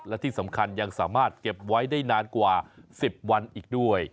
และที่สำคัญยังสามารถเก็บไว้ได้นานกว่า๑๐วันอีกด้วย